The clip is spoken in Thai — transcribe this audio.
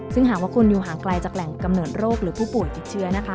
ซึ่งหากว่าคุณอยู่ห่างไกลจากแหล่งกำเนิดโรคหรือผู้ป่วยติดเชื้อนะคะ